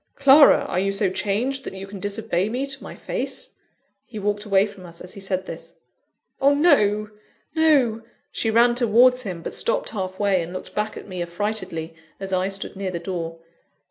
Clara! are you so changed, that you can disobey me to my face?" He walked away from us as he said this. "Oh, no! no!" She ran towards him; but stopped halfway, and looked back at me affrightedly, as I stood near the door.